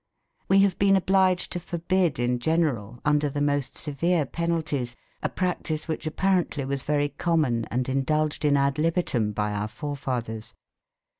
We have been obliged to forbid in general under the most severe penalties a practice which apparently was very common and indulged in ad libitum by our forefathers.